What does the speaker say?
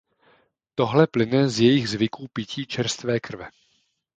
Tohle plyne z jejich zvyků pití čerstvé krve.